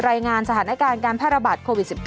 รายงานสถานการณ์การแพร่ระบาดโควิด๑๙